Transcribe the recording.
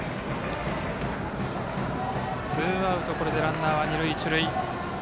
ツーアウト、ランナーは二塁一塁。